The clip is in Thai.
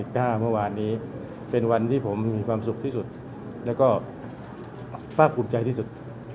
ต่อพูดเลยเลยใช่ภาพหาวิทยาลัยนี้เนี่ยเป็นวันที่ผมมีความสุขที่สุดและก็ฝากกลุ่มใจที่สุด